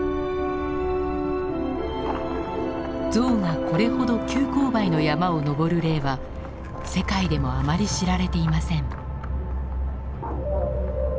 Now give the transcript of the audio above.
ゾウがこれほど急勾配の山を登る例は世界でもあまり知られていません。